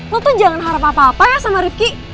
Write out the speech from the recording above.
lu tuh jangan harap apa apa ya sama rizky